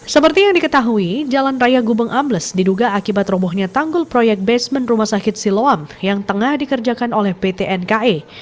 seperti yang diketahui jalan raya gubeng ambles diduga akibat robohnya tanggul proyek basement rumah sakit siloam yang tengah dikerjakan oleh pt nke